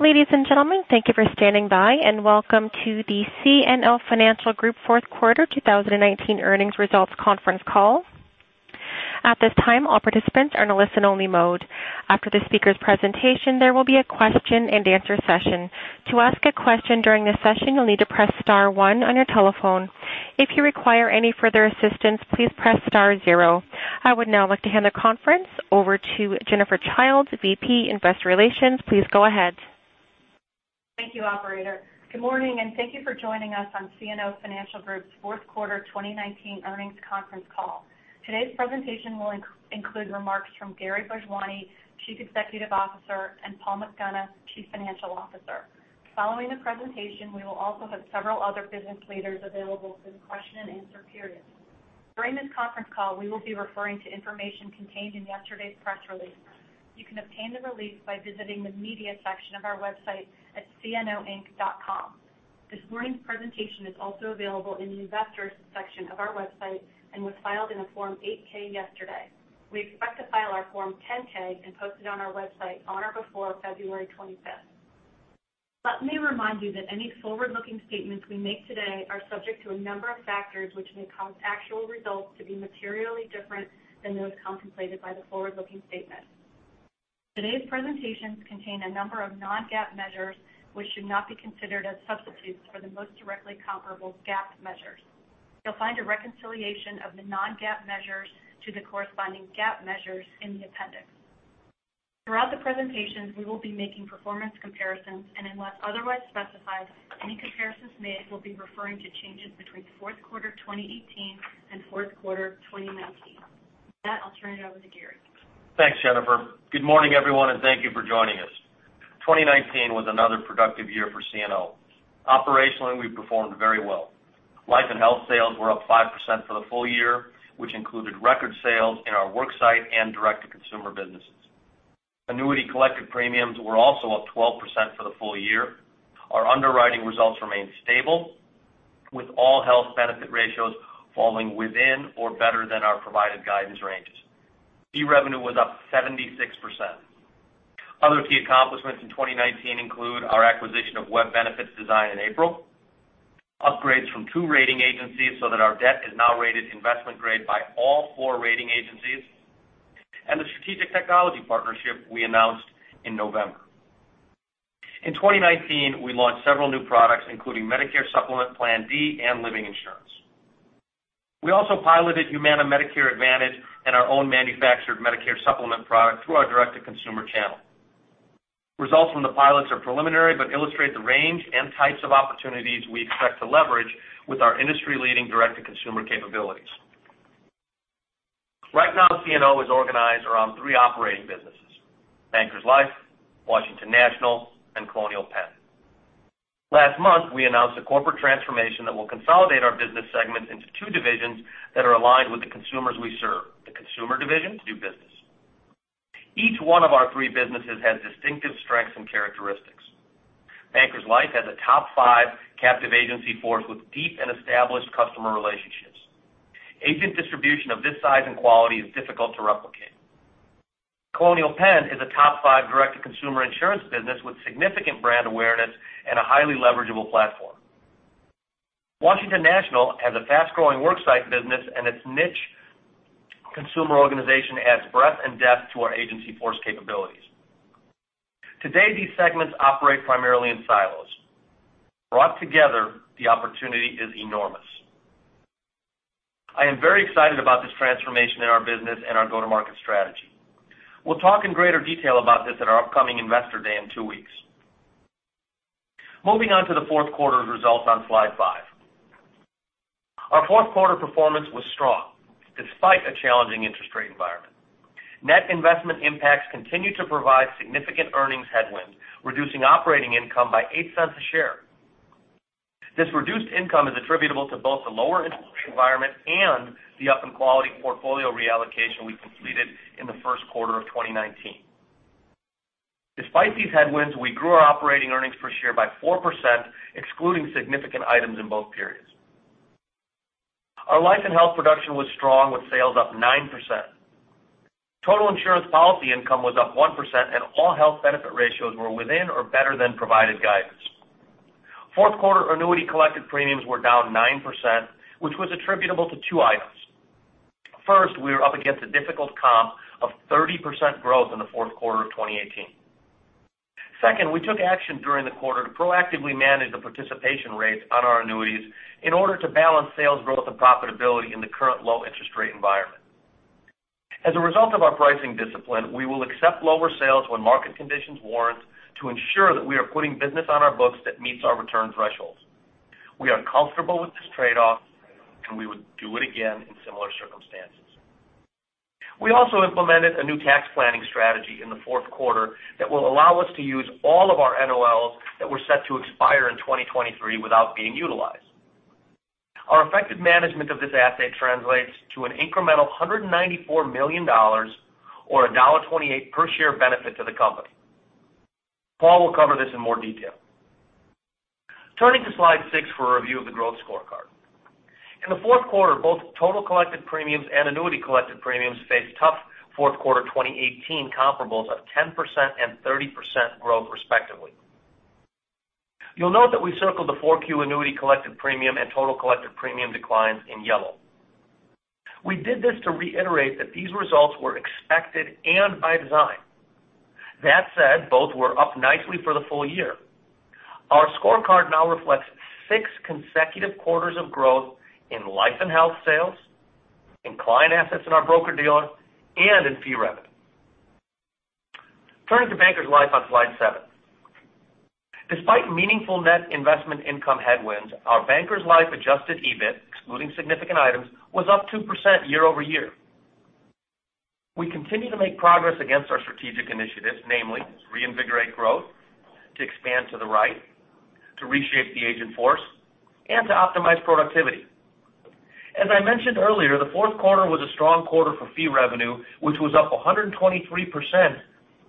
Ladies and gentlemen, thank you for standing by, and welcome to the CNO Financial Group Fourth Quarter 2019 Earnings Results Conference Call. At this time, all participants are in a listen-only mode. After the speakers' presentation, there will be a question and answer session. To ask a question during this session, you'll need to press star one on your telephone. If you require any further assistance, please press star zero. I would now like to hand the conference over to Jennifer Childe, VP Investor Relations. Please go ahead. Thank you, operator. Good morning, and thank you for joining us on CNO Financial Group's Fourth Quarter 2019 Earnings Conference Call. Today's presentation will include remarks from Gary Bhojwani, Chief Executive Officer, and Paul McDonough, Chief Financial Officer. Following the presentation, we will also have several other business leaders available for the question and answer period. During this conference call, we will be referring to information contained in yesterday's press release. You can obtain the release by visiting the media section of our website at cnoinc.com. This morning's presentation is also available in the Investors section of our website and was filed in a Form 8-K yesterday. We expect to file our Form 10-K and post it on our website on or before February 25th. Let me remind you that any forward-looking statements we make today are subject to a number of factors which may cause actual results to be materially different than those contemplated by the forward-looking statement. Today's presentations contain a number of non-GAAP measures which should not be considered as substitutes for the most directly comparable GAAP measures. You'll find a reconciliation of the non-GAAP measures to the corresponding GAAP measures in the appendix. Throughout the presentations, we will be making performance comparisons, and unless otherwise specified, any comparisons made will be referring to changes between fourth quarter 2018 and fourth quarter 2019. With that, I'll turn it over to Gary. Thanks, Jennifer. Good morning, everyone, and thank you for joining us. 2019 was another productive year for CNO. Operationally, we performed very well. Life and health sales were up 5% for the full year, which included record sales in our worksite and direct-to-consumer businesses. Annuity collected premiums were also up 12% for the full year. Our underwriting results remained stable, with all health benefit ratios falling within or better than our provided guidance ranges. Fee revenue was up 76%. Other key accomplishments in 2019 include our acquisition of Web Benefits Design in April, upgrades from two rating agencies so that our debt is now rated investment grade by all four rating agencies, and the strategic technology partnership we announced in November. In 2019, we launched several new products, including Medicare Supplement Plan D and Living Insurance. We also piloted Humana Medicare Advantage and our own manufactured Medicare Supplement product through our direct-to-consumer channel. Results from the pilots are preliminary but illustrate the range and types of opportunities we expect to leverage with our industry-leading direct-to-consumer capabilities. Right now, CNO is organized around three operating businesses, Bankers Life, Washington National, and Colonial Penn. Last month, we announced a corporate transformation that will consolidate our business segments into two divisions that are aligned with the consumers we serve, the consumer division. [inaudible] Each one of our three businesses has distinctive strengths and characteristics. Bankers Life has a top five captive agency force with deep and established customer relationships. Agent distribution of this size and quality is difficult to replicate. Colonial Penn is a top five direct-to-consumer insurance business with significant brand awareness and a highly leverageable platform. Washington National has a fast-growing worksite business, and its niche consumer organization adds breadth and depth to our agency force capabilities. Today, these segments operate primarily in silos. Brought together, the opportunity is enormous. I am very excited about this transformation in our business and our go-to-market strategy. We'll talk in greater detail about this at our upcoming Investor Day in two weeks. Moving on to the fourth quarter results on slide five. Our fourth quarter performance was strong despite a challenging interest rate environment. Net investment impacts continued to provide significant earnings headwinds, reducing operating income by $0.08 a share. This reduced income is attributable to both the lower interest rate environment and the up-in-quality portfolio reallocation we completed in the first quarter of 2019. Despite these headwinds, we grew our operating earnings per share by 4%, excluding significant items in both periods. Our life and health production was strong with sales up 9%. Total insurance policy income was up 1%, and all health benefit ratios were within or better than provided guidance. Fourth quarter annuity collected premiums were down 9%, which was attributable to two items. First, we were up against a difficult comp of 30% growth in the fourth quarter of 2018. Second, we took action during the quarter to proactively manage the participation rates on our annuities in order to balance sales growth and profitability in the current low interest rate environment. As a result of our pricing discipline, we will accept lower sales when market conditions warrant to ensure that we are putting business on our books that meets our return thresholds. We are comfortable with this trade-off, and we would do it again in similar circumstances. We also implemented a new tax planning strategy in the fourth quarter that will allow us to use all of our NOLs that were set to expire in 2023 without being utilized. Our effective management of this asset translates to an incremental $194 million or a $1.28 per share benefit to the company. Paul will cover this in more detail. Turning to slide six for a review of the growth scorecard. In the fourth quarter, both total collected premiums and annuity collected premiums faced tough fourth quarter 2018 comparables of 10% and 30% growth respectively. You'll note that we circled the four Q annuity collected premium and total collected premium declines in yellow. We did this to reiterate that these results were expected and by design. That said, both were up nicely for the full year. Our scorecard now reflects six consecutive quarters of growth in life and health sales, in client assets in our broker-dealer, and in fee revenue. Turning to Bankers Life on slide seven. Despite meaningful net investment income headwinds, our Bankers Life adjusted EBIT, excluding significant items, was up 2% year-over-year. We continue to make progress against our strategic initiatives, namely reinvigorate growth, to expand to the right, to reshape the agent force, and to optimize productivity. As I mentioned earlier, the fourth quarter was a strong quarter for fee revenue, which was up 123%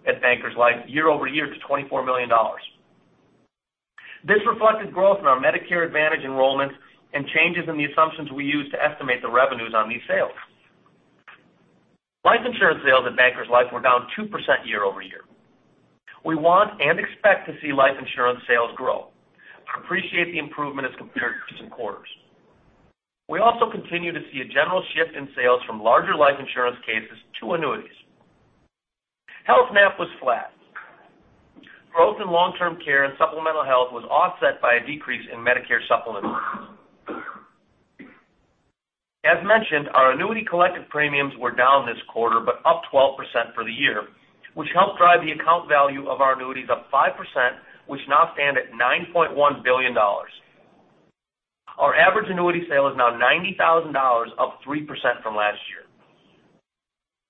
at Bankers Life year-over-year to $24 million. This reflected growth in our Medicare Advantage enrollment and changes in the assumptions we used to estimate the revenues on these sales. Life insurance sales at Bankers Life were down 2% year-over-year. We want and expect to see life insurance sales grow, but appreciate the improvement as compared to recent quarters. We also continue to see a general shift in sales from larger life insurance cases to annuities. Health NAP was flat. Growth in long-term care and supplemental health was offset by a decrease in Medicare Supplement business. As mentioned, our annuity collected premiums were down this quarter, but up 12% for the year, which helped drive the account value of our annuities up 5%, which now stand at $9.1 billion. Our average annuity sale is now $90,000, up 3% from last year.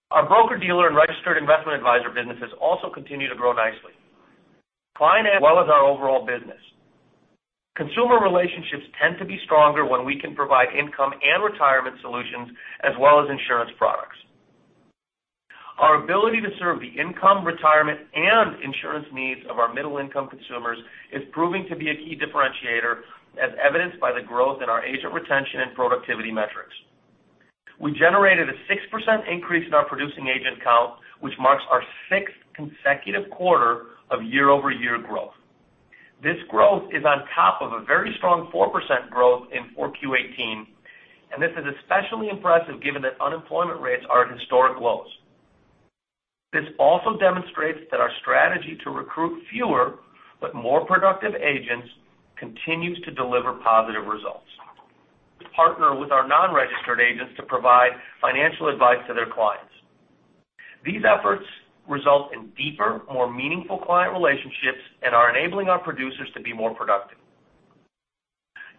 Our broker-dealer and registered investment advisor businesses also continue to grow nicely. Client as well as our overall business. Consumer relationships tend to be stronger when we can provide income and retirement solutions as well as insurance products. Our ability to serve the income, retirement, and insurance needs of our middle-income consumers is proving to be a key differentiator, as evidenced by the growth in our agent retention and productivity metrics. We generated a 6% increase in our producing agent count, which marks our sixth consecutive quarter of year-over-year growth. This growth is on top of a very strong 4% growth in 4Q18. This is especially impressive given that unemployment rates are at historic lows. This also demonstrates that our strategy to recruit fewer but more productive agents continues to deliver positive results. Partner with our non-registered agents to provide financial advice to their clients. These efforts result in deeper, more meaningful client relationships and are enabling our producers to be more productive.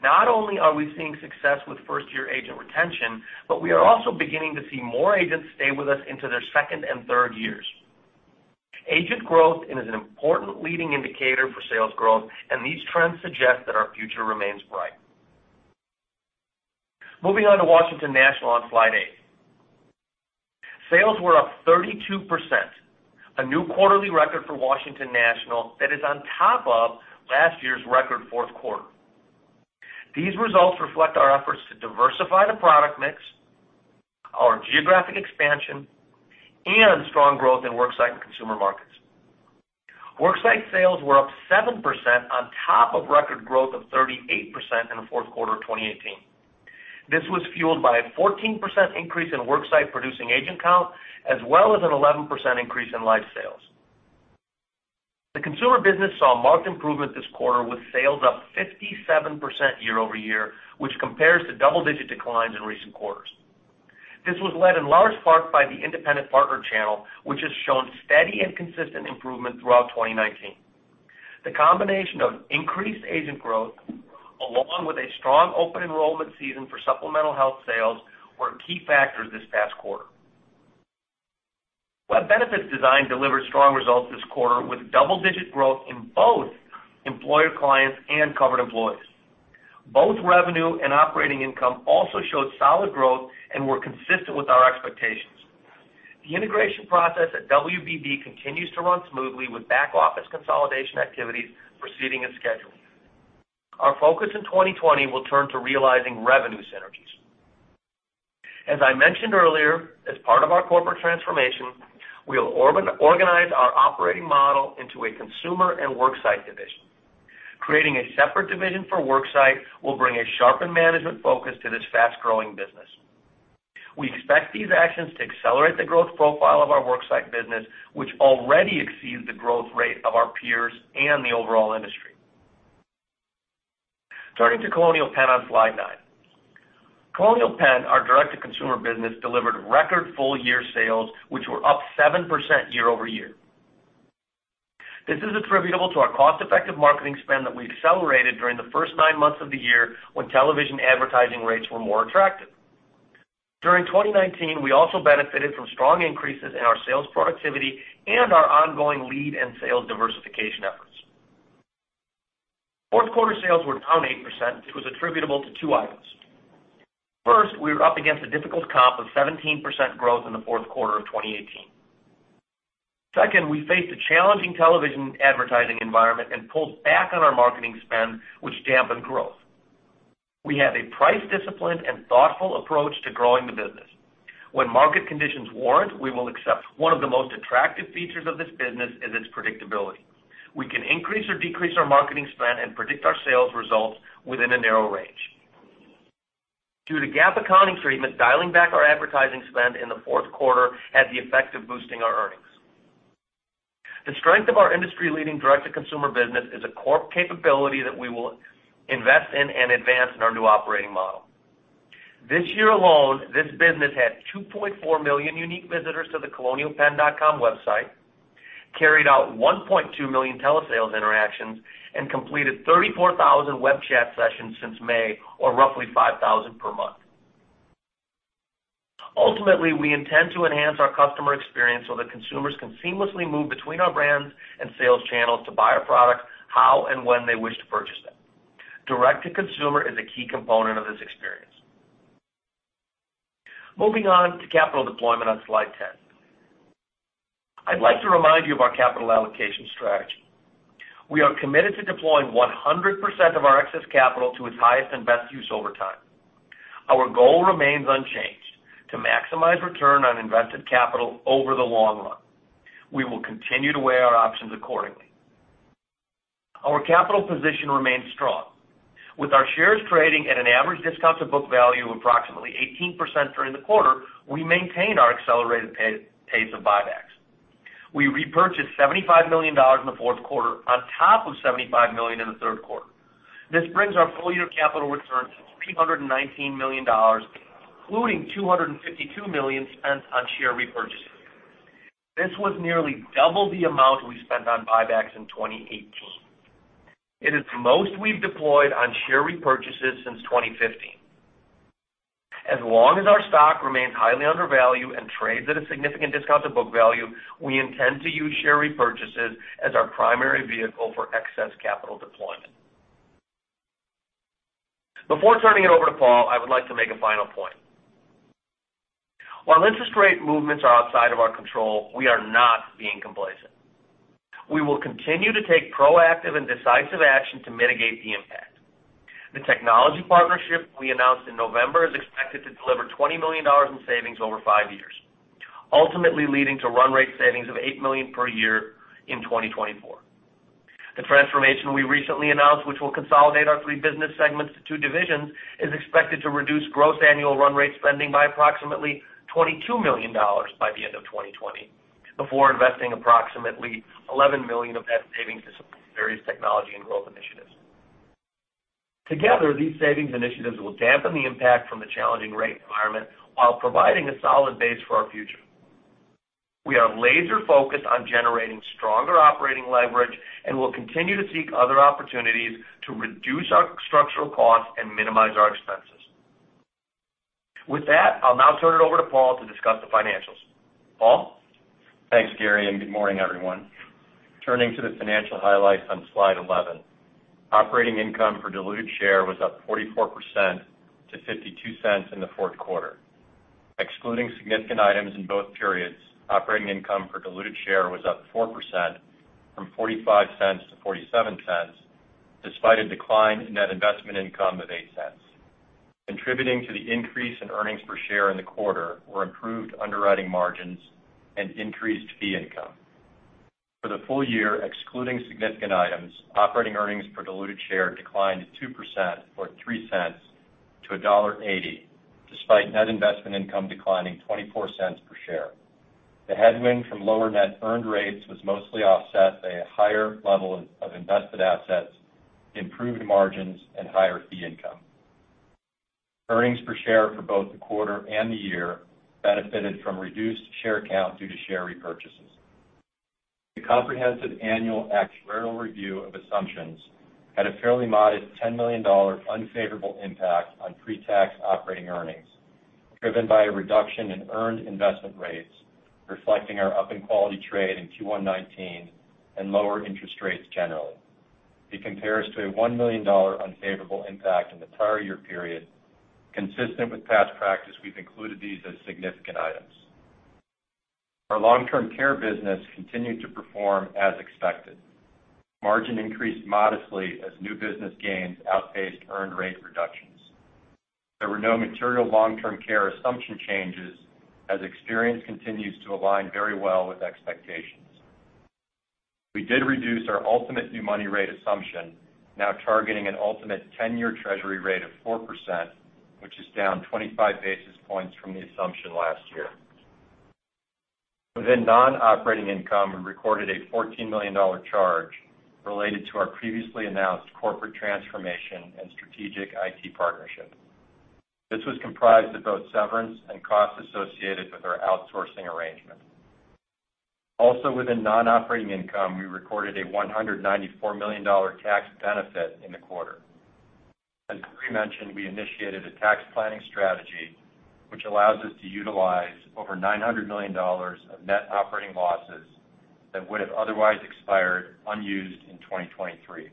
Not only are we seeing success with first-year agent retention, we are also beginning to see more agents stay with us into their second and third years. Agent growth is an important leading indicator for sales growth. These trends suggest that our future remains bright. Moving on to Washington National on slide eight. Sales were up 32%, a new quarterly record for Washington National that is on top of last year's record fourth quarter. These results reflect our efforts to diversify the product mix, our geographic expansion, and strong growth in worksite and consumer markets. Worksite sales were up 7% on top of record growth of 38% in the fourth quarter of 2018. This was fueled by a 14% increase in worksite producing agent count, as well as an 11% increase in life sales. The consumer business saw marked improvement this quarter, with sales up 57% year-over-year, which compares to double-digit declines in recent quarters. This was led in large part by the independent partner channel, which has shown steady and consistent improvement throughout 2019. The combination of increased agent growth along with a strong open enrollment season for supplemental health sales were key factors this past quarter. Web Benefits Design delivered strong results this quarter with double-digit growth in both employer clients and covered employees. Both revenue and operating income also showed solid growth and were consistent with our expectations. The integration process at WBD continues to run smoothly with back office consolidation activities proceeding as scheduled. Our focus in 2020 will turn to realizing revenue synergies. As I mentioned earlier, as part of our corporate transformation, we'll organize our operating model into a consumer and worksite division. Creating a separate division for worksite will bring a sharpened management focus to this fast-growing business. We expect these actions to accelerate the growth profile of our worksite business, which already exceeds the growth rate of our peers and the overall industry. Turning to Colonial Penn on slide nine. Colonial Penn, our direct-to-consumer business, delivered record full-year sales, which were up 7% year-over-year. This is attributable to our cost-effective marketing spend that we accelerated during the first nine months of the year when television advertising rates were more attractive. During 2019, we also benefited from strong increases in our sales productivity and our ongoing lead and sales diversification efforts. Fourth quarter sales were down 8%, which was attributable to two items. First, we were up against a difficult comp of 17% growth in the fourth quarter of 2018. Second, we faced a challenging television advertising environment and pulled back on our marketing spend, which dampened growth. We have a price discipline and thoughtful approach to growing the business. When market conditions warrant, we will accept one of the most attractive features of this business and its predictability. We can increase or decrease our marketing spend and predict our sales results within a narrow range. Due to GAAP accounting treatment, dialing back our advertising spend in the fourth quarter had the effect of boosting our earnings. The strength of our industry-leading direct-to-consumer business is a core capability that we will invest in and advance in our new operating model. This year alone, this business had 2.4 million unique visitors to the colonialpenn.com website, carried out 1.2 million telesales interactions, and completed 34,000 web chat sessions since May or roughly 5,000 per month. Ultimately, we intend to enhance our customer experience so that consumers can seamlessly move between our brands and sales channels to buy our products how and when they wish to purchase them. Direct-to-consumer is a key component of this experience. Moving on to capital deployment on slide 10. I'd like to remind you of our capital allocation strategy. We are committed to deploying 100% of our excess capital to its highest and best use over time. Our goal remains unchanged: to maximize return on invested capital over the long run. We will continue to weigh our options accordingly. Our capital position remains strong. With our shares trading at an average discount to book value of approximately 18% during the quarter, we maintain our accelerated pace of buybacks. We repurchased $75 million in the fourth quarter on top of $75 million in the third quarter. This brings our full-year capital return to $319 million, including $252 million spent on share repurchases. This was nearly double the amount we spent on buybacks in 2018. It is the most we've deployed on share repurchases since 2015. As long as our stock remains highly undervalued and trades at a significant discount to book value, we intend to use share repurchases as our primary vehicle for excess capital deployment. Before turning it over to Paul, I would like to make a final point. While interest rate movements are outside of our control, we are not being complacent. We will continue to take proactive and decisive action to mitigate the impact. The technology partnership we announced in November is expected to deliver $20 million in savings over 5 years, ultimately leading to run rate savings of $8 million per year in 2024. The transformation we recently announced, which will consolidate our 3 business segments to 2 divisions, is expected to reduce gross annual run rate spending by approximately $22 million by the end of 2020, before investing approximately $11 million of net savings to support various technology and growth initiatives. Together, these savings initiatives will dampen the impact from the challenging rate environment while providing a solid base for our future. We are laser-focused on generating stronger operating leverage and will continue to seek other opportunities to reduce our structural costs and minimize our expenses. With that, I'll now turn it over to Paul to discuss the financials. Paul? Thanks, Gary, good morning, everyone. Turning to the financial highlights on slide 11. Operating income per diluted share was up 44% to $0.52 in the fourth quarter. Excluding significant items in both periods, operating income per diluted share was up 4%, from $0.45 to $0.47, despite a decline in net investment income of $0.08. Contributing to the increase in earnings per share in the quarter were improved underwriting margins and increased fee income. For the full year, excluding significant items, operating earnings per diluted share declined 2% or $0.03 to $1.80, despite net investment income declining $0.24 per share. The headwind from lower net earned rates was mostly offset by a higher level of invested assets, improved margins, and higher fee income. Earnings per share for both the quarter and the year benefited from reduced share count due to share repurchases. The comprehensive annual actuarial review of assumptions had a fairly modest $10 million unfavorable impact on pre-tax operating earnings, driven by a reduction in earned investment rates, reflecting our up-in-quality trade in Q1 2019 and lower interest rates generally. It compares to a $1 million unfavorable impact in the prior year period. Consistent with past practice, we've included these as significant items. Our long-term care business continued to perform as expected. Margin increased modestly as new business gains outpaced earned rate reductions. There were no material long-term care assumption changes as experience continues to align very well with expectations. We did reduce our ultimate new money rate assumption, now targeting an ultimate 10-year treasury rate of 4%, which is down 25 basis points from the assumption last year. Within non-operating income, we recorded a $14 million charge related to our previously announced corporate transformation and strategic IT partnership. This was comprised of both severance and costs associated with our outsourcing arrangement. Within non-operating income, we recorded a $194 million tax benefit in the quarter. As pre-mentioned, we initiated a tax planning strategy which allows us to utilize over $900 million of net operating losses that would have otherwise expired unused in 2023.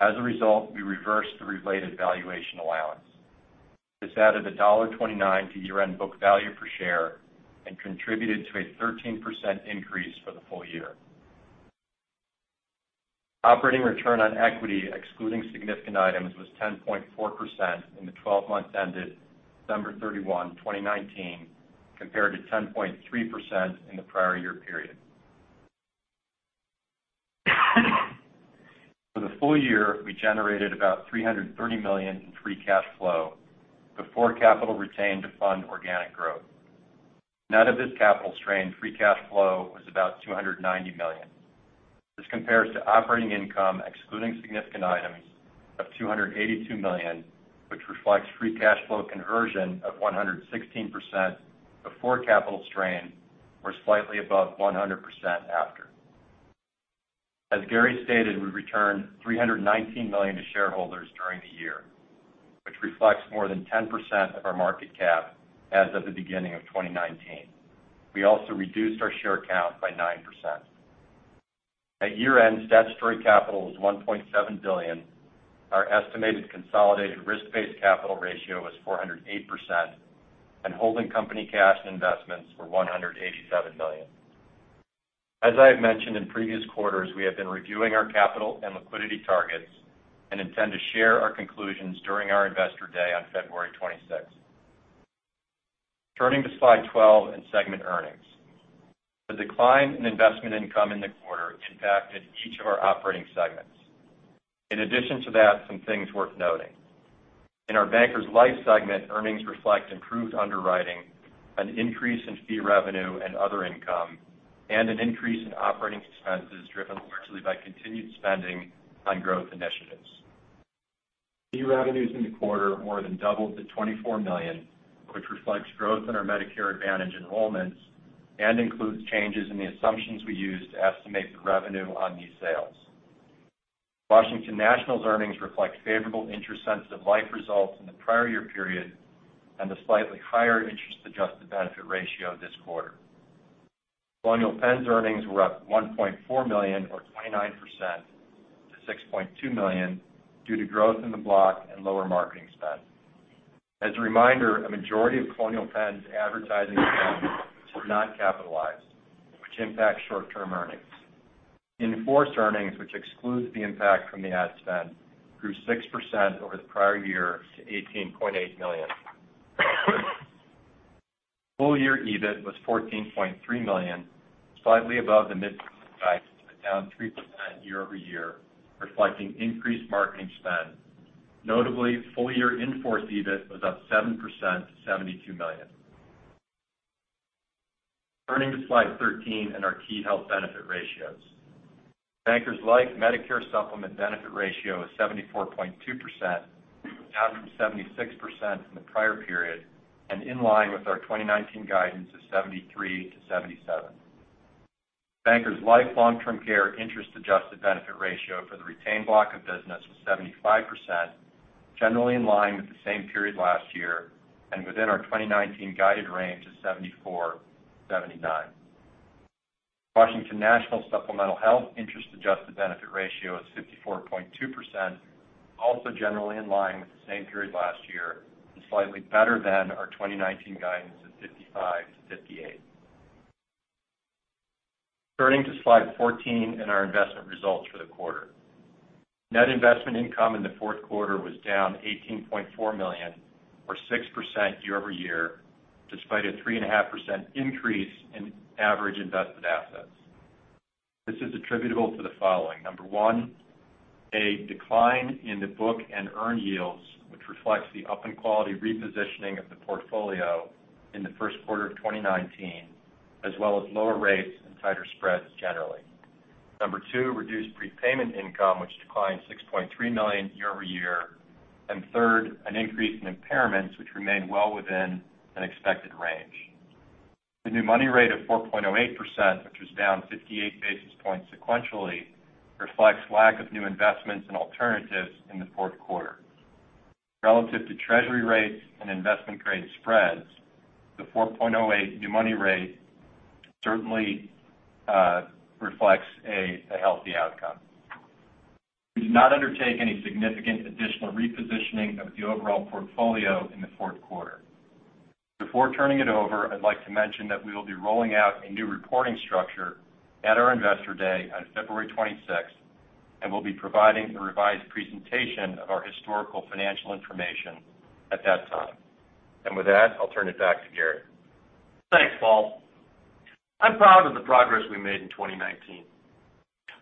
As a result, we reversed the related valuation allowance. This added $1.29 to year-end book value per share and contributed to a 13% increase for the full year. Operating return on equity, excluding significant items, was 10.4% in the 12 months ended December 31, 2019, compared to 10.3% in the prior year period. For the full year, we generated about $330 million in free cash flow before capital retained to fund organic growth. Net of this capital strain, free cash flow was about $290 million. This compares to operating income excluding significant items of $282 million, which reflects free cash flow conversion of 116% before capital strain, or slightly above 100% after. As Gary stated, we returned $319 million to shareholders during the year, which reflects more than 10% of our market cap as of the beginning of 2019. We also reduced our share count by 9%. At year-end, statutory capital was $1.7 billion. Our estimated consolidated risk-based capital ratio was 408%, and holding company cash and investments were $187 million. As I have mentioned in previous quarters, we have been reviewing our capital and liquidity targets and intend to share our conclusions during our Investor Day on February 26th. Turning to slide 12 and segment earnings. The decline in investment income in the quarter impacted each of our operating segments. In addition to that, some things worth noting. In our Bankers Life segment, earnings reflect improved underwriting, an increase in fee revenue and other income, and an increase in operating expenses driven largely by continued spending on growth initiatives. Fee revenues in the quarter more than doubled to $24 million, which reflects growth in our Medicare Advantage enrollments and includes changes in the assumptions we use to estimate the revenue on these sales. Washington National's earnings reflect favorable interest-sensitive life results in the prior year period and a slightly higher interest-adjusted benefit ratio this quarter. Colonial Penn's earnings were up $1.4 million or 29% to $6.2 million due to growth in the block and lower marketing spend. As a reminder, a majority of Colonial Penn's advertising spend was not capitalized, which impacts short-term earnings. In-force earnings, which excludes the impact from the ad spend, grew 6% over the prior year to $18.8 million. Full year EBIT was $14.3 million, slightly above the mid but down 3% year-over-year, reflecting increased marketing spend. Full year in-force EBIT was up 7% to $72 million. Turning to slide 13 and our key health benefit ratios. Bankers Life Medicare Supplement benefit ratio is 74.2%, down from 76% in the prior period and in line with our 2019 guidance of 73%-77%. Bankers Life long-term care interest-adjusted benefit ratio for the retained block of business was 75%, generally in line with the same period last year and within our 2019 guided range of 74%-79%. Washington National Supplemental Health interest-adjusted benefit ratio is 54.2%, also generally in line with the same period last year and slightly better than our 2019 guidance of 55%-58%. Turning to slide 14 and our investment results for the quarter. Net investment income in the fourth quarter was down $18.4 million or 6% year-over-year, despite a 3.5% increase in average invested assets. This is attributable to the following. Number one, a decline in the book and earn yields, which reflects the up in quality repositioning of the portfolio in the first quarter of 2019, as well as lower rates and tighter spreads generally. Number two, reduced prepayment income, which declined $6.3 million year-over-year. Third, an increase in impairments, which remained well within an expected range. The new money rate of 4.08%, which was down 58 basis points sequentially, reflects lack of new investments in alternatives in the fourth quarter. Relative to Treasury rates and investment grade spreads, the 4.08 new money rate certainly reflects a healthy outcome. We did not undertake any significant additional repositioning of the overall portfolio in the fourth quarter. Before turning it over, I'd like to mention that we will be rolling out a new reporting structure at our Investor Day on February 26th, and we'll be providing the revised presentation of our historical financial information at that time. With that, I'll turn it back to Gary. Thanks, Paul. I'm proud of the progress we made in 2019.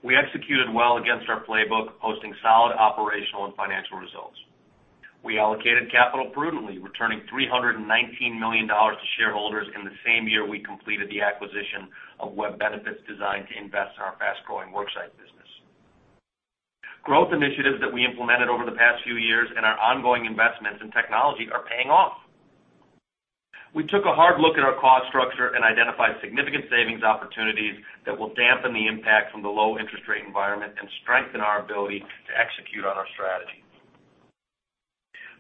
We executed well against our playbook, posting solid operational and financial results. We allocated capital prudently, returning $319 million to shareholders in the same year we completed the acquisition of Web Benefits Design to invest in our fast-growing worksite business. Growth initiatives that we implemented over the past few years and our ongoing investments in technology are paying off. We took a hard look at our cost structure and identified significant savings opportunities that will dampen the impact from the low interest rate environment and strengthen our ability to execute on our plan.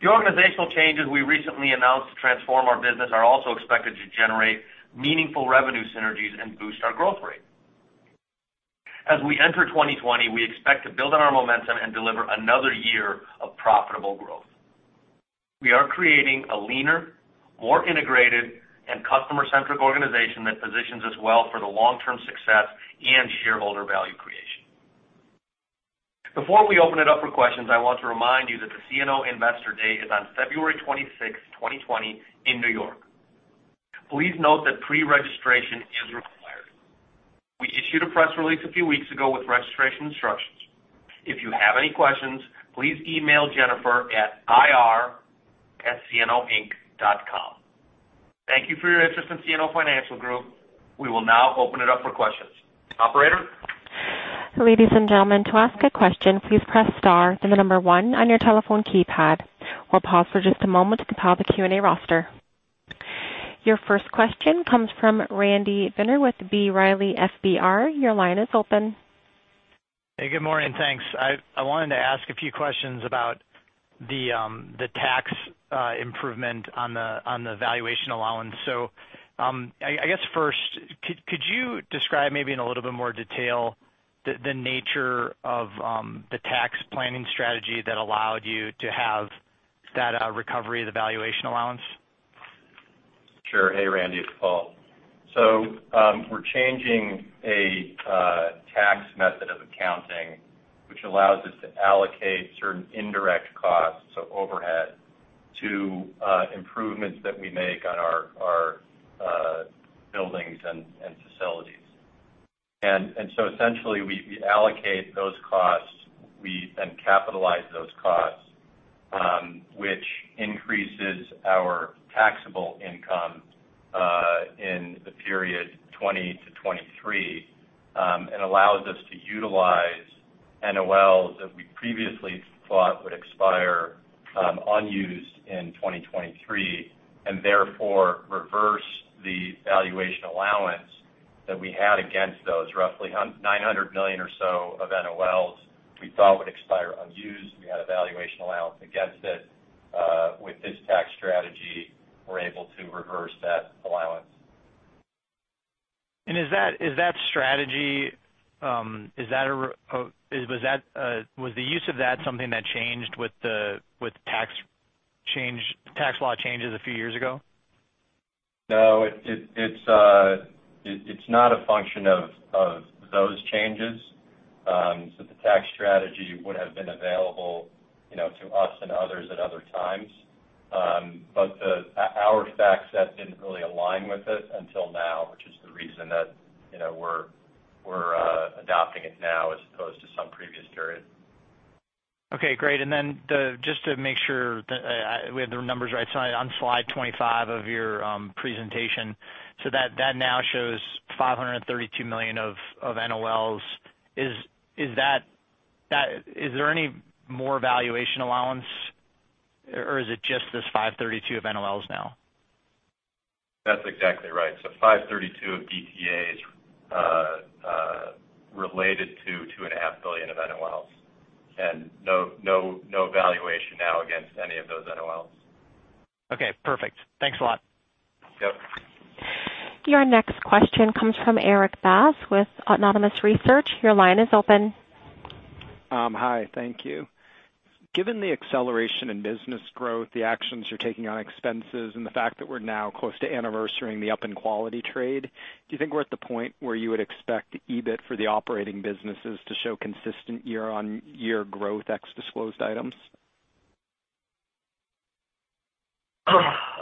The organizational changes we recently announced to transform our business are also expected to generate meaningful revenue synergies and boost our growth rate. As we enter 2020, we expect to build on our momentum and deliver another year of profitable growth. We are creating a leaner, more integrated and customer-centric organization that positions us well for the long-term success and shareholder value creation. Before we open it up for questions, I want to remind you that the CNO Investor Day is on February 26th, 2020 in New York. Please note that pre-registration is required. We issued a press release a few weeks ago with registration instructions. If you have any questions, please email ir@cnoinc.com. Thank you for your interest in CNO Financial Group. We will now open it up for questions. Operator? Ladies and gentlemen, to ask a question, please press star, then the number one on your telephone keypad. We'll pause for just a moment to compile the Q&A roster. Your first question comes from Randy Binner with B. Riley Securities. Your line is open. Hey, good morning. Thanks. I wanted to ask a few questions about the tax improvement on the valuation allowance. I guess first, could you describe maybe in a little bit more detail the nature of the tax planning strategy that allowed you to have that recovery of the valuation allowance? Sure. Hey, Randy, it's Paul. We're changing a tax method of accounting, which allows us to allocate certain indirect costs, so overhead, to improvements that we make on our buildings and facilities. Essentially, we allocate those costs. We capitalize those costs, which increases our taxable income, in the period 2020 to 2023, allows us to utilize NOLs that we previously thought would expire unused in 2023, therefore reverse the valuation allowance that we had against those roughly $900 million or so of NOLs we thought would expire unused. We had a valuation allowance against it. With this tax strategy, we're able to reverse that allowance. Was the use of that something that changed with the tax law changes a few years ago? No, it's not a function of those changes. The tax strategy would have been available to us and others at other times. Our tax set didn't really align with it until now, which is the reason that we're adopting it now as opposed to some previous period. Okay, great. Just to make sure that we have the numbers right. On slide 25 of your presentation, that now shows $532 million of NOLs. Is there any more valuation allowance or is it just this $532 of NOLs now? That's exactly right. $532 of DTAs related to $2.5 billion of NOLs, and no valuation now against any of those NOLs. Okay, perfect. Thanks a lot. Yep. Your next question comes from Erik Bass with Autonomous Research. Your line is open. Hi, thank you. Given the acceleration in business growth, the actions you're taking on expenses, and the fact that we're now close to anniversarying the up in quality trade, do you think we're at the point where you would expect EBIT for the operating businesses to show consistent year-on-year growth ex disclosed items? Yeah.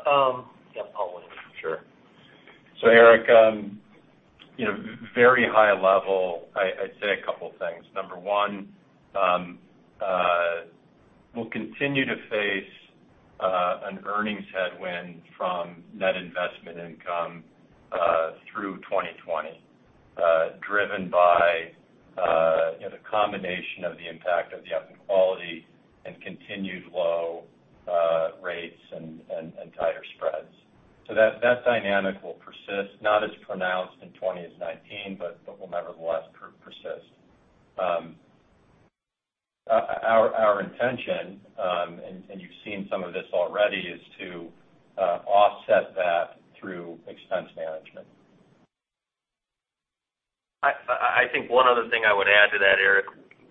Paul, why don't you? Sure. Erik, very high level, I'd say a couple things. Number 1, we'll continue to face an earnings headwind from net investment income through 2020, driven by the combination of the impact of the up in quality and continued low rates and tighter spreads. That dynamic will persist, not as pronounced in 2020 as 2019, but will nevertheless persist. Our intention, and you've seen some of this already, is to offset that through expense management. I think one other thing I would add to that, Erik,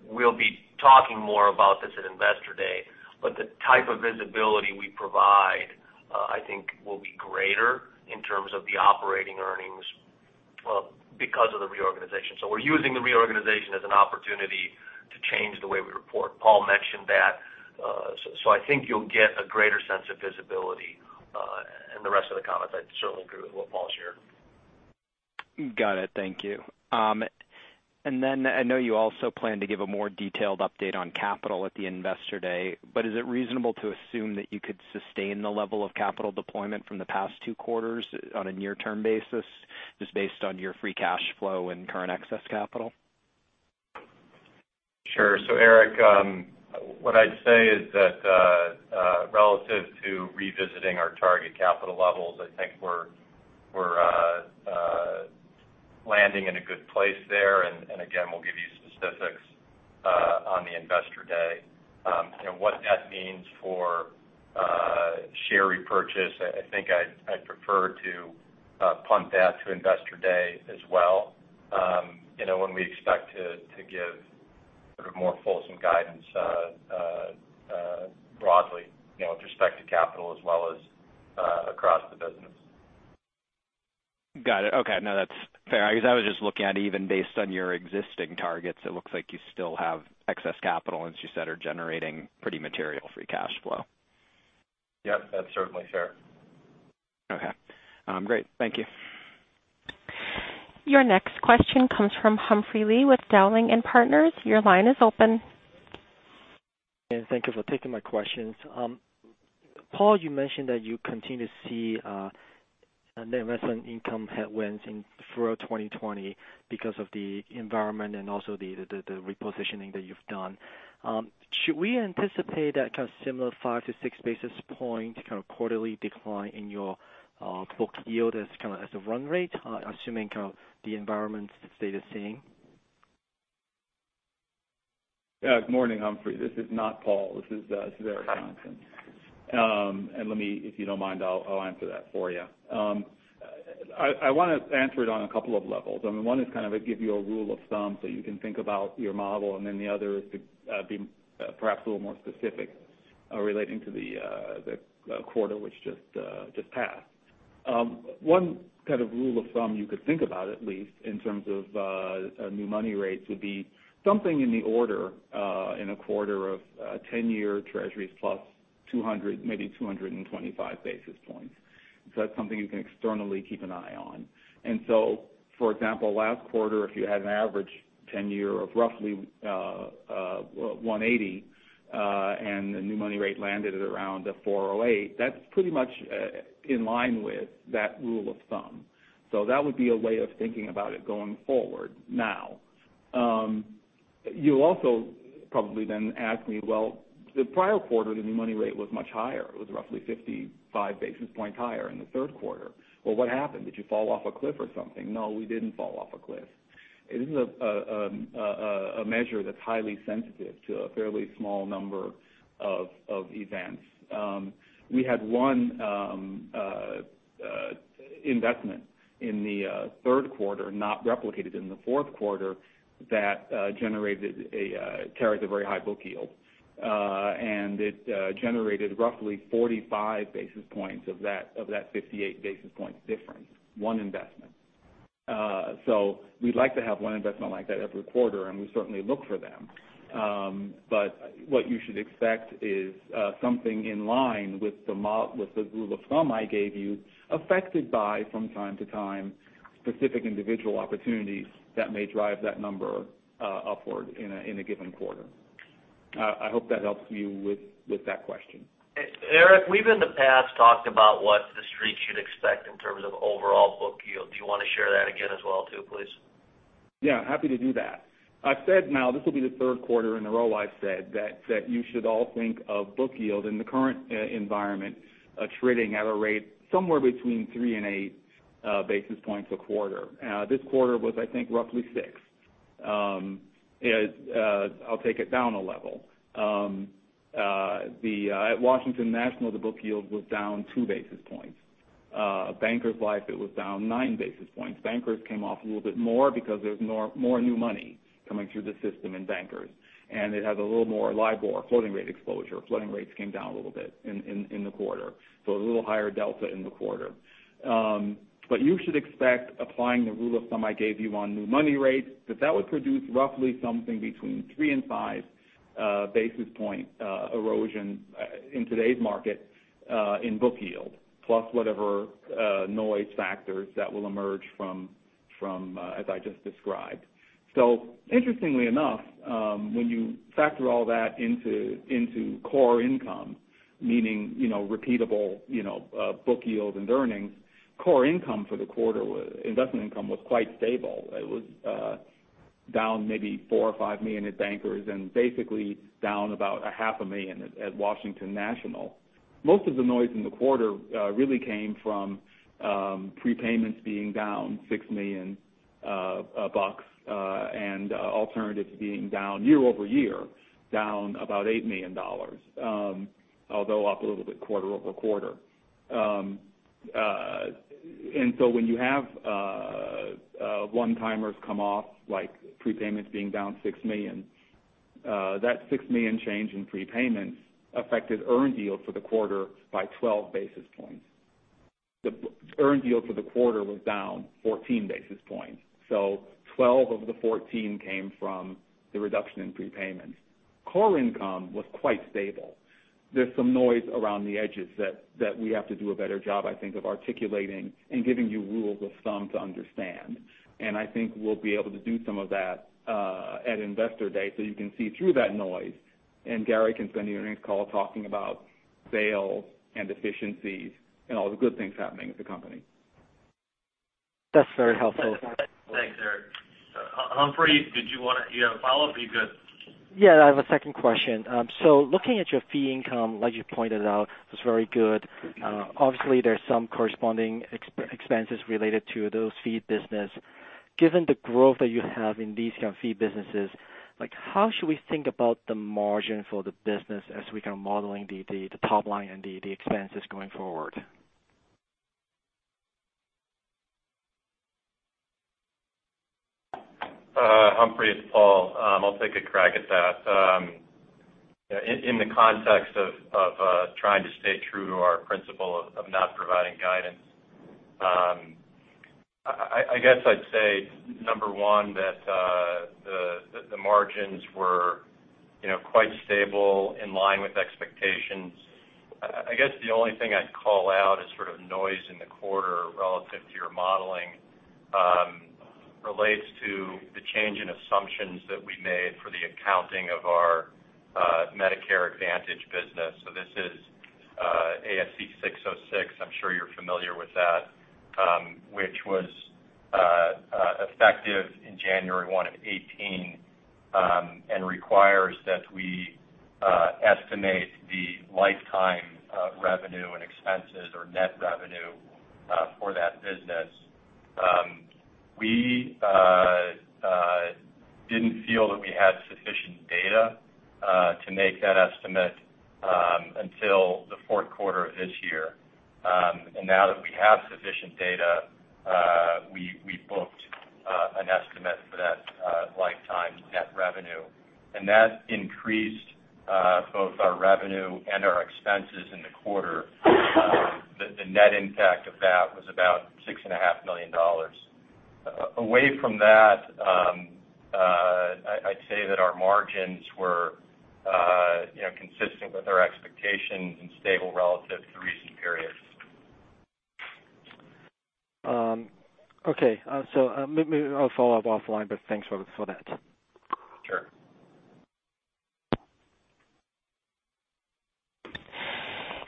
we'll be talking more about this at Investor Day, the type of visibility we provide, I think will be greater in terms of the operating earnings because of the reorganization. We're using the reorganization as an opportunity to change the way we report. Paul mentioned that. I think you'll get a greater sense of visibility. The rest of the comments, I'd certainly agree with what Paul shared. Got it. Thank you. I know you also plan to give a more detailed update on capital at the Investor Day, is it reasonable to assume that you could sustain the level of capital deployment from the past two quarters on a near-term basis, just based on your free cash flow and current excess capital? Sure. Erik, what I'd say is that, relative to revisiting our target capital levels, I think we're Landing in a good place there. Again, we'll give you specifics on the Investor Day. What that means for share repurchase, I think I'd prefer to punt that to Investor Day as well. When we expect to give more fulsome guidance broadly with respect to capital as well as across the business. Got it. Okay. No, that's fair. I was just looking at, even based on your existing targets, it looks like you still have excess capital, and as you said, are generating pretty material free cash flow. Yep, that's certainly fair. Okay. Great. Thank you. Your next question comes from Humphrey Lee with Dowling & Partners. Your line is open. Thank you for taking my questions. Paul, you mentioned that you continue to see net investment income headwinds throughout 2020 because of the environment and also the repositioning that you've done. Should we anticipate that kind of similar 5 to 6 basis point kind of quarterly decline in your book yield as kind of as a run rate, assuming kind of the environment stays the same? Yeah. Morning, Humphrey. This is not Paul, this is Eric Johnson. Let me, if you don't mind, I'll answer that for you. I want to answer it on a couple of levels. I mean, one is kind of give you a rule of thumb so you can think about your model, and then the other is to be perhaps a little more specific relating to the quarter, which just passed. One kind of rule of thumb you could think about, at least in terms of new money rates, would be something in the order in a quarter of 10-year treasuries plus 200, maybe 225 basis points. That's something you can externally keep an eye on. For example, last quarter, if you had an average 10 year of roughly 180 and the new money rate landed at around 408, that's pretty much in line with that rule of thumb. That would be a way of thinking about it going forward. Now, you also probably then ask me, well, the prior quarter, the new money rate was much higher. It was roughly 55 basis points higher in the third quarter. Well, what happened? Did you fall off a cliff or something? No, we didn't fall off a cliff. This is a measure that's highly sensitive to a fairly small number of events. We had one investment in the third quarter, not replicated in the fourth quarter, that carries a very high book yield, and it generated roughly 45 basis points of that 58 basis points difference. One investment. We'd like to have one investment like that every quarter, and we certainly look for them. What you should expect is something in line with the rule of thumb I gave you, affected by, from time to time, specific individual opportunities that may drive that number upward in a given quarter. I hope that helps you with that question. Eric, we've in the past talked about what the Street should expect in terms of overall book yield. Do you want to share that again as well too, please? Yeah, happy to do that. I've said now this will be the third quarter in a row I've said that you should all think of book yield in the current environment trading at a rate somewhere between three and eight basis points a quarter. This quarter was, I think, roughly six. I'll take it down a level. At Washington National, the book yield was down two basis points. Bankers Life, it was down nine basis points. Bankers came off a little bit more because there's more new money coming through the system in Bankers, and it has a little more LIBOR floating rate exposure. Floating rates came down a little bit in the quarter, so a little higher delta in the quarter. You should expect applying the rule of thumb I gave you on new money rates, that that would produce roughly something between three and five basis point erosion in today's market in book yield plus whatever noise factors that will emerge from as I just described. Interestingly enough, when you factor all that into core income, meaning repeatable book yield and earnings, core income for the quarter, investment income was quite stable. It was down maybe $4 or $5 million at Bankers, and basically down about a half a million at Washington National. Most of the noise in the quarter really came from prepayments being down $6 million and alternatives being down year-over-year, down about $8 million. Although up a little bit quarter-over-quarter. When you have one-timers come off, like prepayments being down $6 million, that $6 million change in prepayments affected earn yield for the quarter by 12 basis points. The earn yield for the quarter was down 14 basis points. 12 of the 14 came from the reduction in prepayments. Core income was quite stable. There's some noise around the edges that we have to do a better job, I think, of articulating and giving you rules of thumb to understand. I think we'll be able to do some of that at Investor Day so you can see through that noise. Gary can spend the earnings call talking about sales and efficiencies and all the good things happening at the company. That's very helpful. Thanks, Eric Humphrey, do you have a follow-up? Are you good? Yeah, I have a second question. Looking at your fee income, like you pointed out, it was very good. Obviously, there's some corresponding expenses related to those fee business. Given the growth that you have in these kind of fee businesses, how should we think about the margin for the business as we modeling the top line and the expenses going forward? Humphrey, it's Paul. I'll take a crack at that. In the context of trying to stay true to our principle of not providing guidance, I guess I'd say, number one, that the margins were quite stable, in line with expectations. I guess the only thing I'd call out as sort of noise in the quarter relative to your modeling, relates to the change in assumptions that we made for the accounting of our Medicare Advantage business. This is ASC 606, I'm sure you're familiar with that, which was effective in January 1, 2018, and requires that we estimate the lifetime revenue and expenses or net revenue for that business. We didn't feel that we had sufficient data to make that estimate until the fourth quarter of this year. Now that we have sufficient data, we booked an estimate for that lifetime net revenue. That increased both our revenue and our expenses in the quarter. The net impact of that was about $6.5 million. Away from that, I'd say that our margins were consistent with our expectations and stable relative to recent periods. Okay. Maybe I'll follow up offline, thanks for that. Sure.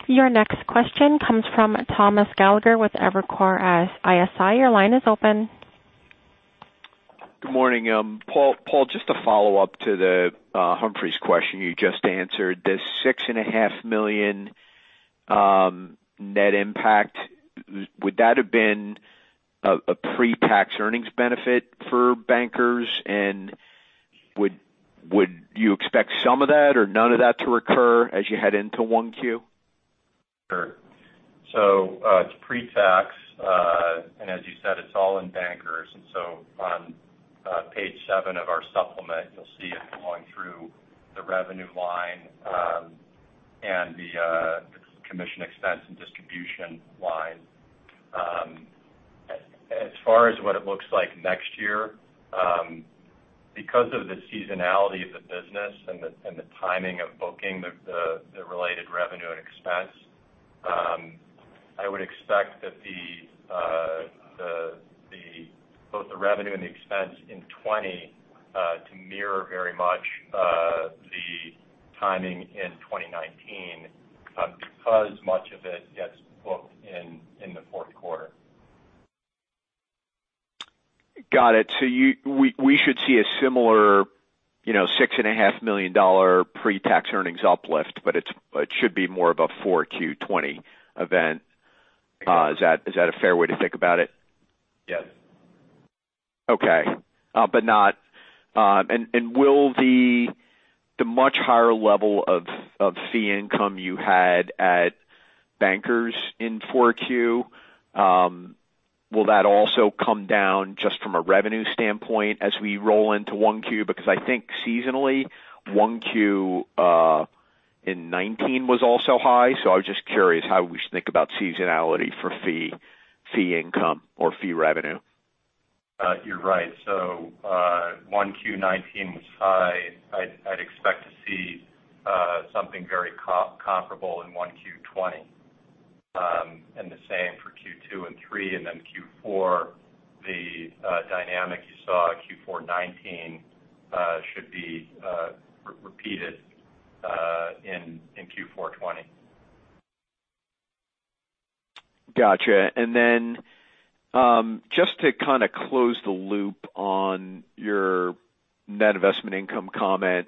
Your next question comes from Thomas Gallagher with Evercore ISI. Your line is open. Good morning. Paul, just to follow up to Humphrey's question you just answered. This $6.5 million net impact, would that have been a pre-tax earnings benefit for Bankers Life? Would you expect some of that or none of that to recur as you head into 1Q? Sure. It's pre-tax, and as you said, it's all in Bankers Life. On page seven of our supplement, you'll see it going through the revenue line, and the commission expense and distribution line. As far as what it looks like next year, because of the seasonality of the business and the timing of booking the related revenue and expense, I would expect that both the revenue and the expense in 2020 to mirror very much the timing in 2019, because much of it gets booked in the fourth quarter. Got it. We should see a similar $6.5 million pre-tax earnings uplift, it should be more of a 4Q 2020 event. Is that a fair way to think about it? Yes. Okay. Will the much higher level of fee income you had at Bankers Life in 4Q, will that also come down just from a revenue standpoint as we roll into 1Q? I think seasonally, 1Q in 2019 was also high. I was just curious how we should think about seasonality for fee income or fee revenue. You're right. 1Q 2019 was high. I'd expect to see something very comparable in 1Q 2020. The same for Q2 and three, then Q4, the dynamic you saw at Q4 2019 should be repeated in Q4 2020. Got you. Then just to kind of close the loop on your net investment income comment.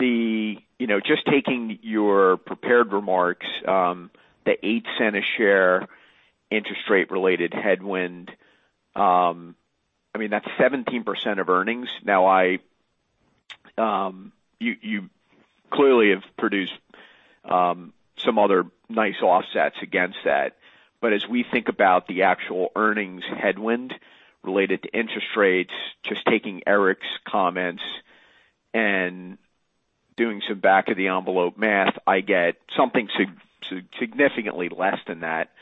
Just taking your prepared remarks, the $0.08 a share interest rate related headwind. That's 17% of earnings. You clearly have produced some other nice offsets against that. As we think about the actual earnings headwind related to interest rates, just taking Eric comments and doing some back of the envelope math, I get something significantly less than that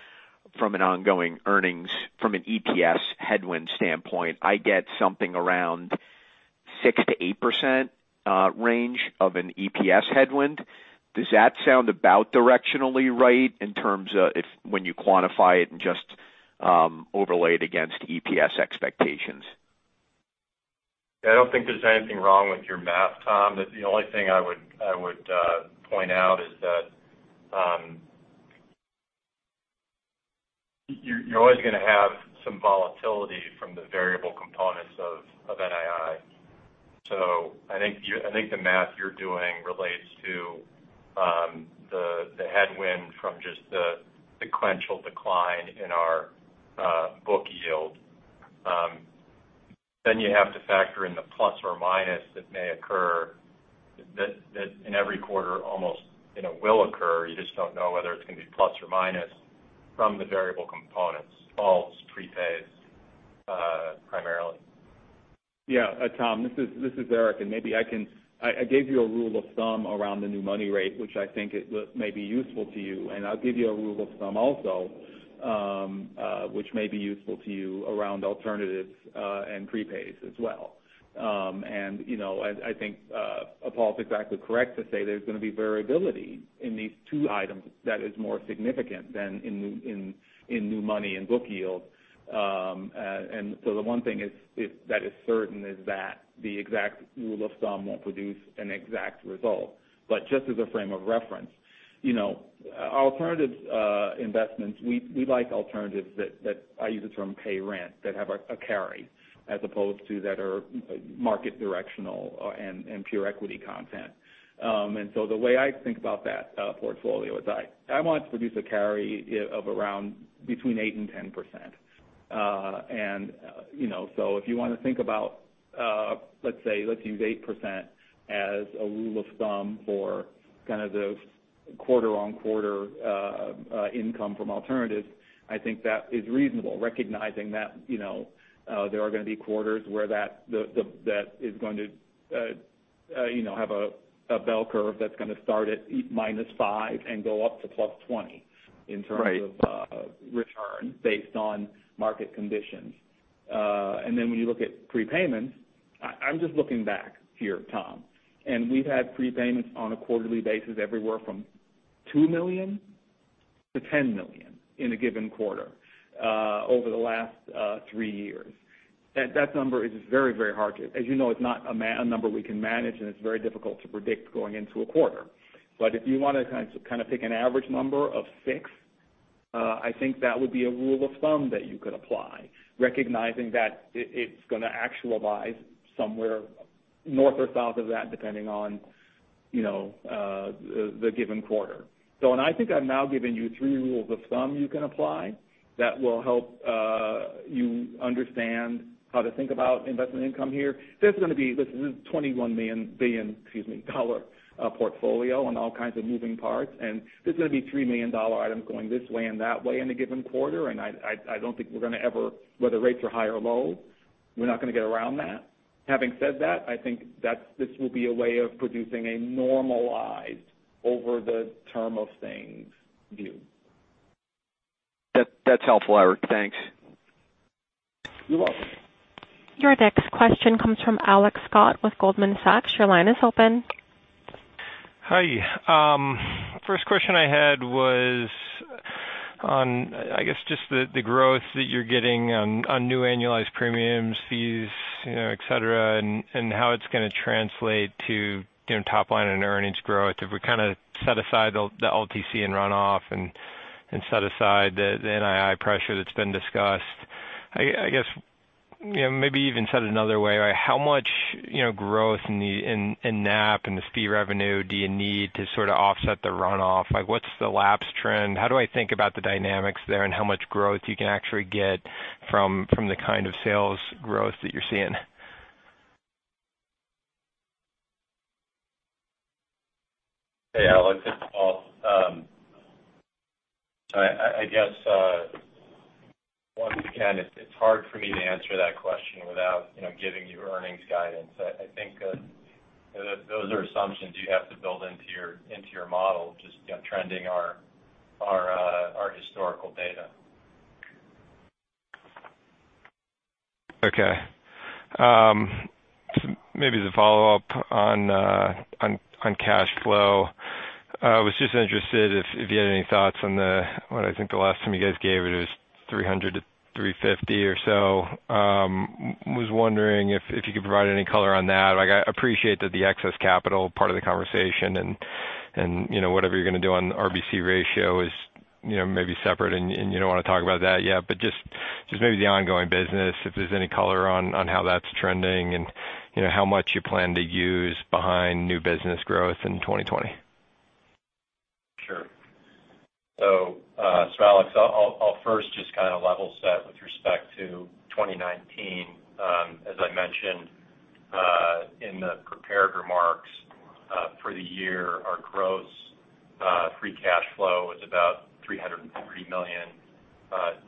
from an ongoing earnings, from an EPS headwind standpoint. I get something around 6%-8% range of an EPS headwind. Does that sound about directionally right in terms of when you quantify it and just overlay it against EPS expectations? I don't think there's anything wrong with your math, Tom. The only thing I would point out is you're always going to have some volatility from the variable components of NII. I think the math you're doing relates to the headwind from just the sequential decline in our book yield. You have to factor in the plus or minus that may occur that in every quarter almost will occur. You just don't know whether it's going to be plus or minus from the variable components, faults, prepays, primarily. Yeah. Tom, this is Eric, maybe I gave you a rule of thumb around the new money rate, which I think may be useful to you. I'll give you a rule of thumb also, which may be useful to you around alternatives and prepays as well. I think Paul's exactly correct to say there's going to be variability in these two items that is more significant than in new money and book yield. The one thing that is certain is that the exact rule of thumb won't produce an exact result. Just as a frame of reference, alternative investments, we like alternatives that, I use the term pay rent, that have a carry as opposed to that are market directional and pure equity content. The way I think about that portfolio is I want to produce a carry of around between 8% and 10%. If you want to think about, let's say, let's use 8% as a rule of thumb for kind of the quarter-over-quarter income from alternatives, I think that is reasonable. Recognizing that there are going to be quarters where that is going to have a bell curve that's going to start at -5 and go up to +20 in terms of return based on market conditions. When you look at prepayments, I'm just looking back here, Tom, and we've had prepayments on a quarterly basis everywhere from $2 million-$10 million in a given quarter over the last three years. That number is very hard to, as you know, it's not a number we can manage, and it's very difficult to predict going into a quarter. If you want to kind of pick an average number of six, I think that would be a rule of thumb that you could apply, recognizing that it's going to actualize somewhere north or south of that, depending on the given quarter. I think I've now given you three rules of thumb you can apply that will help you understand how to think about investment income here. This is a [inaudible] portfolio on all kinds of moving parts, and there's going to be $3 million items going this way and that way in a given quarter. I don't think we're going to ever, whether rates are high or low, we're not going to get around that. Having said that, I think this will be a way of producing a normalized over the term of things view. That's helpful, Eric. Thanks. You're welcome. Your next question comes from Alex Scott with Goldman Sachs. Your line is open. Hi. First question I had was on, I guess, just the growth that you're getting on new annualized premiums, fees, et cetera, and how it's going to translate to top line and earnings growth. If we kind of set aside the LTC and runoff and set aside the NII pressure that's been discussed. I guess maybe even said another way, how much growth in NAP and this fee revenue do you need to sort of offset the runoff? What's the lapse trend? How do I think about the dynamics there and how much growth you can actually get from the kind of sales growth that you're seeing? Hey, Alex, it's Paul. I guess once again, it's hard for me to answer that question without giving you earnings guidance. I think those are assumptions you have to build into your model, just trending our historical data. Okay. Maybe the follow-up on cash flow. I was just interested if you had any thoughts on the, what I think the last time you guys gave it was $300 million-$350 million or so. Was wondering if you could provide any color on that. I appreciate that the excess capital part of the conversation and whatever you're going to do on RBC ratio is maybe separate and you don't want to talk about that yet. Just maybe the ongoing business, if there's any color on how that's trending and how much you plan to use behind new business growth in 2020. Sure. Alex, I'll first just kind of level set with respect to 2019. As I mentioned in the prepared remarks, for the year, our gross free cash flow was about $303 million,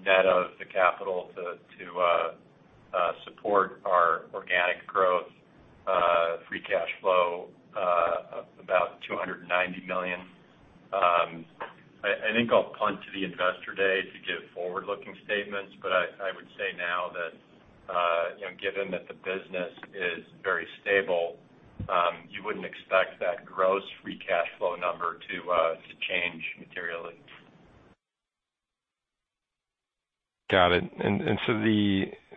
net of the capital to support our organic growth free cash flow of about $290 million. I think I'll punt to the investor day to give forward-looking statements. I would say now that given that the business is very stable, you wouldn't expect that gross free cash flow number to change materially. Got it.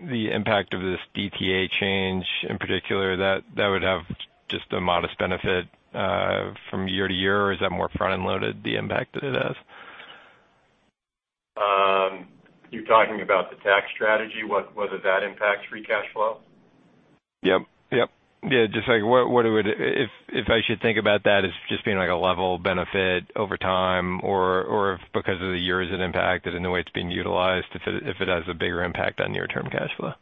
The impact of this DTA change, in particular, that would have just a modest benefit from year to year, or is that more front-loaded, the impact that it has? You're talking about the tax strategy, whether that impacts free cash flow? Yep. Just like, if I should think about that as just being like a level benefit over time, or if because of the years it impacted and the way it's being utilized, if it has a bigger impact on near-term cash flow.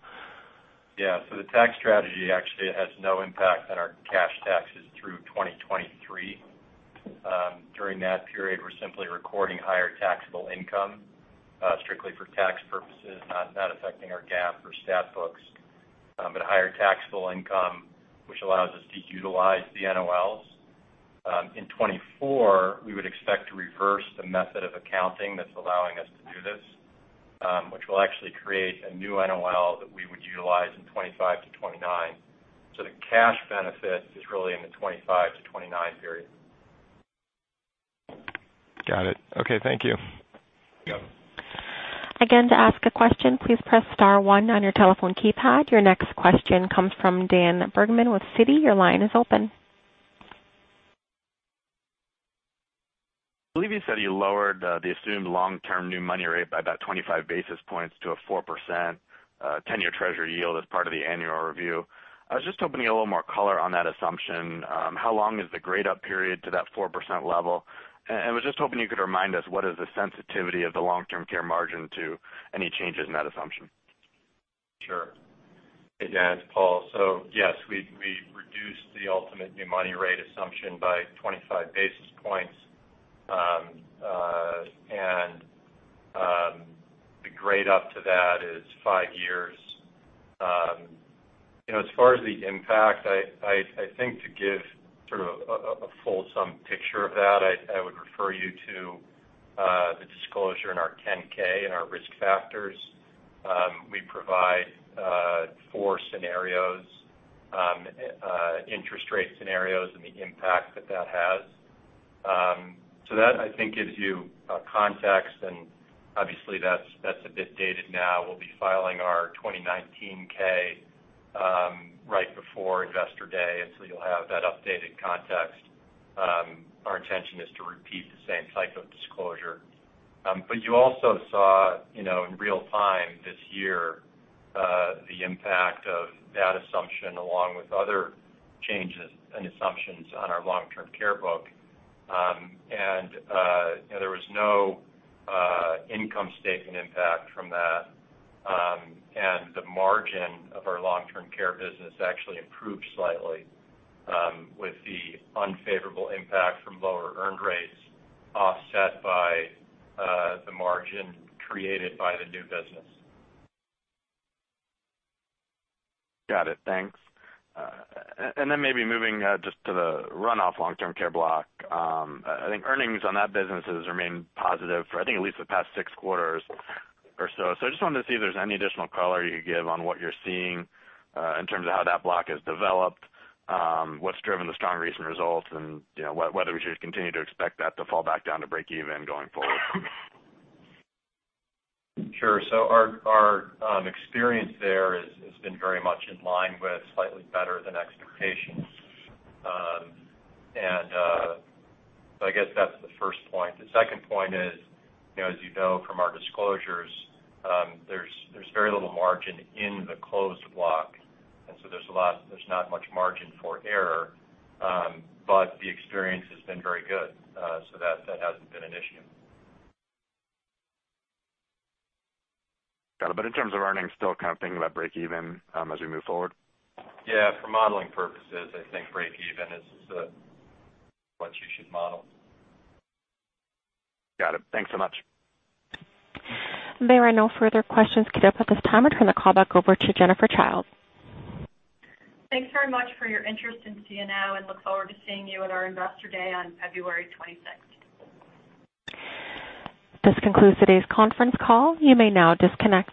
Yes. The tax strategy actually has no impact on our cash taxes through 2023. During that period, we're simply recording higher taxable income, strictly for tax purposes, not affecting our GAAP or stat books. Higher taxable income, which allows us to utilize the NOLs. In 2024, we would expect to reverse the method of accounting that's allowing us to do this, which will actually create a new NOL that we would utilize in 2025 to 2029. The cash benefit is really in the 2025 to 2029 period. Got it. Okay, thank you. You got it. Again, to ask a question, please press star one on your telephone keypad. Your next question comes from Dan Bergman with Citi. Your line is open. I believe you said you lowered the assumed long-term new money rate by about 25 basis points to a 4% 10-year Treasury yield as part of the annual review. I was just hoping to get a little more color on that assumption. How long is the grade up period to that 4% level? I was just hoping you could remind us what is the sensitivity of the long-term care margin to any changes in that assumption? Sure. Again, it's Paul. Yes, we reduced the ultimate new money rate assumption by 25 basis points. The grade up to that is five years. As far as the impact, I think to give sort of a full sum picture of that, I would refer you to the disclosure in our 10-K in our risk factors. We provide four scenarios, interest rate scenarios, and the impact that that has. That, I think, gives you a context, and obviously that's a bit dated now. We'll be filing our 2019 K right before Investor Day, so you'll have that updated context. Our intention is to repeat the same type of disclosure. You also saw in real-time this year, the impact of that assumption along with other changes and assumptions on our long-term care book. There was no income statement impact from that. The margin of our long-term care business actually improved slightly with the unfavorable impact from lower earned rates offset by the margin created by the new business. Got it. Thanks. Maybe moving just to the runoff long-term care block. I think earnings on that business has remained positive for, I think, at least the past six quarters or so. I just wanted to see if there's any additional color you could give on what you're seeing in terms of how that block has developed. What's driven the strong recent results, and whether we should continue to expect that to fall back down to break even going forward. Sure. Our experience there has been very much in line with slightly better than expectations. I guess that's the first point. The second point is, as you know from our disclosures, there's very little margin in the closed block, there's not much margin for error. The experience has been very good, so that hasn't been an issue. Got it. In terms of earnings, still kind of thinking about break even as we move forward? Yeah, for modeling purposes, I think break even is what you should model. Got it. Thanks so much. There are no further questions queued up at this time. I turn the call back over to Jennifer Childe. Thanks very much for your interest in CNO, and look forward to seeing you at our Investor Day on February 26th. This concludes today's conference call. You may now disconnect.